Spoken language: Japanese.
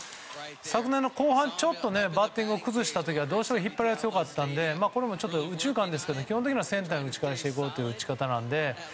昨年の後半ちょっとバッティングを崩した時はどうしても引っ張られが強かったのでこれもちょっと右中間ですけど基本的にセンターに打ち返していこうという打ち方なので。